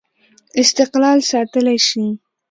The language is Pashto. استقلال ساتلای شي.